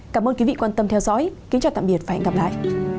cảm ơn quý vị quan tâm theo dõi kính chào tạm biệt và hẹn gặp lại